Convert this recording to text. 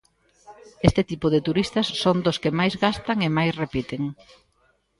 Este tipo de turistas son dos que máis gastan e máis repiten.